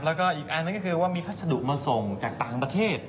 แล้วก็อีกอันนั้นก็คือว่ามีพัสดุมาส่งจากต่างประเทศ